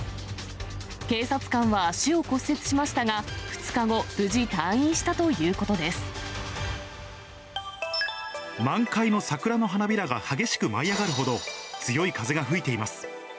警察官は足を骨折しましたが、２日後、満開の桜の花びらが激しく舞い上がるほど、強い風が吹いています。